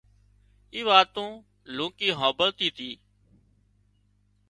اُي واتُون لونڪي هامڀۯتي تي